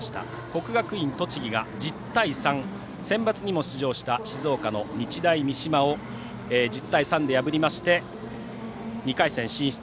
国学院栃木がセンバツにも出場した静岡の日大三島を１０対３で破りまして２回戦進出。